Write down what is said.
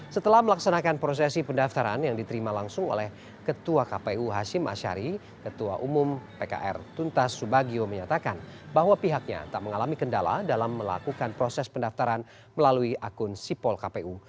setelah melaksanakan prosesi pendaftaran yang diterima langsung oleh ketua kpu hashim ashari ketua umum pkr tuntas subagio menyatakan bahwa pihaknya tak mengalami kendala dalam melakukan proses pendaftaran melalui akun sipol kpu